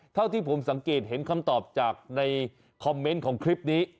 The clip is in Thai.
เท่าที่ผมสังเกตเห็นคำตอบจากในคอมเมนต์ของคลิปนี้